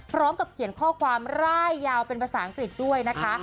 พร้อมกับเขียนข้อความร่ายยาวเป็นภาษาอังกฤษด้วยนะคะ